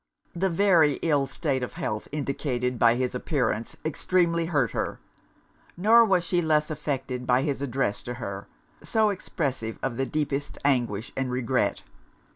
The very ill state of health indicated by his appearance, extremely hurt her. Nor was she less affected by his address to her, so expressive of the deepest anguish and regret.